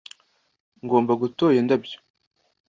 Ngomba gutora indabyo.